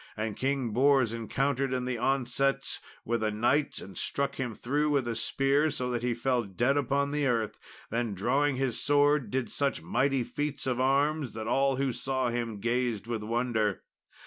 And King Bors encountered in the onset with a knight, and struck him through with a spear, so that he fell dead upon the earth; then drawing his sword, he did such mighty feats of arms that all who saw him gazed with wonder.